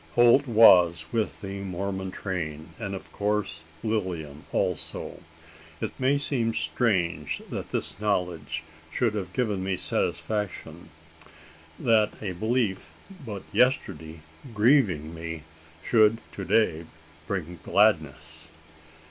Holt was with the Mormon train; and of course Lilian also. It may seem strange that this knowledge should have given me satisfaction that a belief, but yesterday grieving me, should to day bring gladness!